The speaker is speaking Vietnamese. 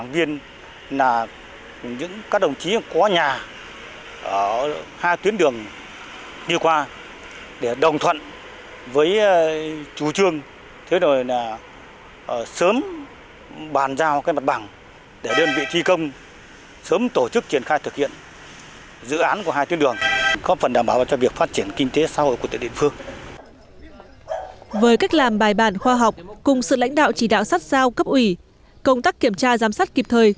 với cách làm bài bản khoa học cùng sự lãnh đạo chỉ đạo sát giao cấp ủy công tác kiểm tra giám sát kịp thời